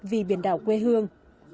vì biển đảo quê hương